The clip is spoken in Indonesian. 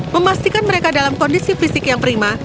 memastikan mereka dalam kondisi fisik yang prima